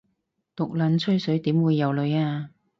毒撚吹水點會有女吖